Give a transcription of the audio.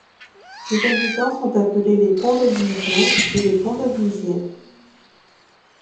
Ses habitants sont appelés les Pontdebuisiens et les Pontdebuisiennes.